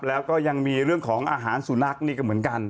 แล้วก็ยังมีเรื่องของอาหารสุนัขนี่ก็เหมือนกัน